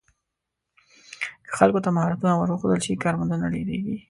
که خلکو ته مهارتونه ور وښودل شي، کارموندنه ډېریږي.